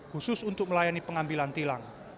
khusus untuk melayani pengambilan tilang